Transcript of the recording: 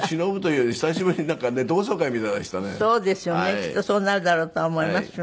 きっとそうなるだろうとは思いますよね。